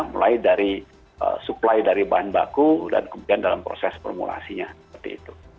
mulai dari supply dari bahan baku dan kemudian dalam proses formulasinya seperti itu